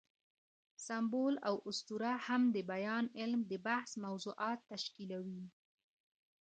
سمبول او اسطوره هم د بیان علم د بحث موضوعات تشکیلوي.